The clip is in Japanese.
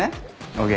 ＯＫ。